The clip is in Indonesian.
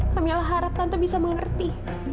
kamilah harap tante bisa mengerti